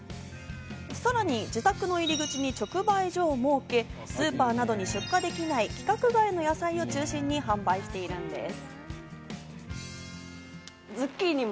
さらに自宅の入口に直売所を設け、スーパーなどに出荷できない規格外の野菜を中心に販売しているんです。